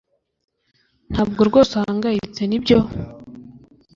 Ntabwo rwose uhangayitse nibyo